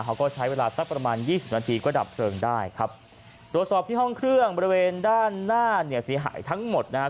เขาก็ใช้เวลาสักประมาณยี่สิบนาทีก็ดับเพลิงได้ครับตรวจสอบที่ห้องเครื่องบริเวณด้านหน้าเนี่ยเสียหายทั้งหมดนะฮะ